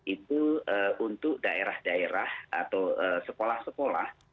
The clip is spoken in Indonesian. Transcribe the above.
itu untuk daerah daerah atau sekolah sekolah